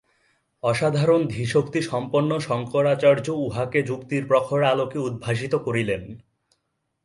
অসাধারণ ধীশক্তিসম্পন্ন শঙ্করাচার্য উহাকে যুক্তির প্রখর আলোকে উদ্ভাসিত করিলেন।